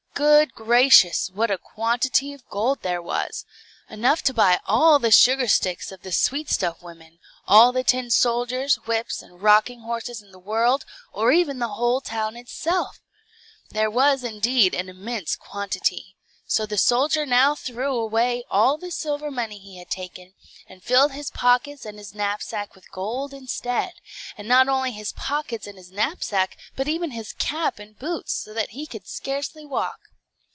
Good gracious, what a quantity of gold there was! enough to buy all the sugar sticks of the sweet stuff women; all the tin soldiers, whips, and rocking horses in the world, or even the whole town itself There was, indeed, an immense quantity. So the soldier now threw away all the silver money he had taken, and filled his pockets and his knapsack with gold instead; and not only his pockets and his knapsack, but even his cap and boots, so that he could scarcely walk.